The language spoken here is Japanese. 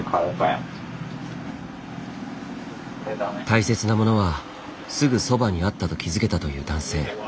「大切なものはすぐそばにあった」と気付けたという男性。